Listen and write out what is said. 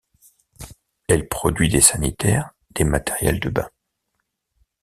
Elle produit des sanitaires, des matériels de bain.